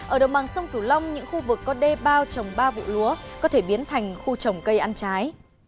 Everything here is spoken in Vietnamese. ở đồng bằng sông cửu long những khu vực có đê bao trồng ba vụ lúa có thể biến thành khu trồng cây ăn trái